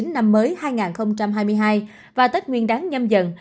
năm mới hai nghìn hai mươi hai và tết nguyên đáng nhâm dần